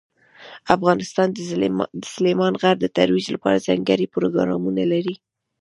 افغانستان د سلیمان غر د ترویج لپاره ځانګړي پروګرامونه لري.